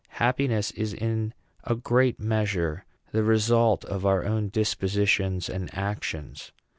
Happiness is in a great measure the result of our own dispositions and actions.